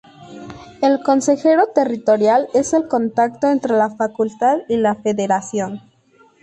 El consejero territorial es el contacto entre la Facultad y la Federación.